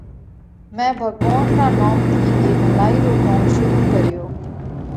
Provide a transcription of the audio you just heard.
مئين ڀڳوونَ را نوم ٿِي اي ڀلائِي رو ڪوم شُروع ڪريوھ۔